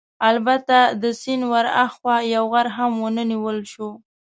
البته د سیند ورهاخوا یو غر هم ونه نیول شو.